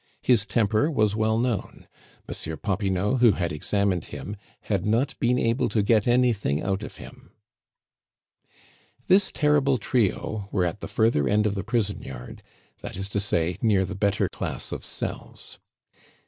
His temper was well known; Monsieur Popinot, who had examined him, had not been able to get anything out of him. This terrible trio were at the further end of the prison yard, that is to say, near the better class of cells.